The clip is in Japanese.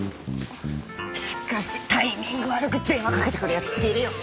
しかしタイミング悪く電話かけてくる奴っているよね。